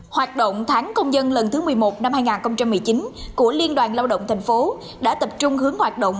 hoạt động tháng công dân lần thứ một mươi một năm hai nghìn một mươi chín của liên đoàn lao động tp hcm đã tập trung hướng hoạt động